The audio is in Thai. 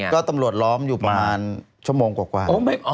ก็ตำรวจล้อมอยู่ประมาณชั่วโมงกว่า